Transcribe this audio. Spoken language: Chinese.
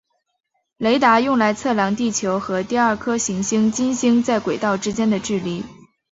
雷达用来测量地球和第二颗行星金星在轨道之间的距离。